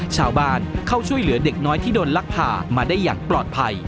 ชาวบ้านเข้าช่วยเหลือเด็กน้อยที่โดนลักผ่ามาได้อย่างปลอดภัย